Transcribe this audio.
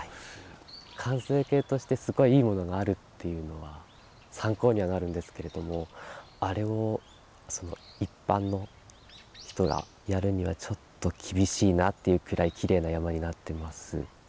完成形としてすごいいいものがあるっていうのは参考にはなるんですけれどもあれを一般の人がやるにはちょっと厳しいなっていうくらいきれいな山になってます。